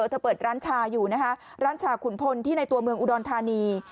เธอเปิดร้านชาอยู่นะคะร้านชาขุนพลที่ในตัวเมืองอุดรธานี